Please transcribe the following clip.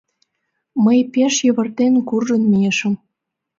Мый пеш йывыртен куржын мийышым.